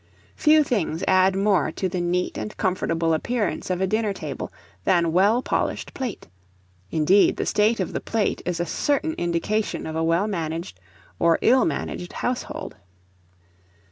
Few things add more to the neat and comfortable appearance of a dinner table than well polished plate; indeed, the state of the plate is a certain indication of a well managed or ill managed household.